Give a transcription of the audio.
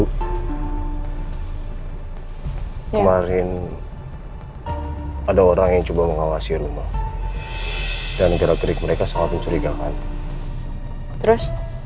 kemarin ada orang yang coba mengawasi rumah dan kira kira mereka fellow pencuriga shy terus